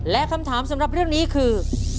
และคำถามสำหรับเรื่องนี้คือ